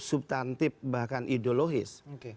subtantif bahkan ideologis